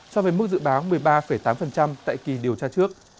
so với mức dự báo một mươi ba tám tại kỳ điều tra trước